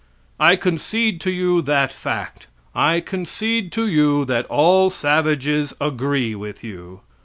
I concede to you that fact; I concede to you that all savages agree with you.